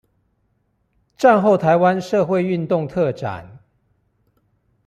戰後臺灣社會運動特展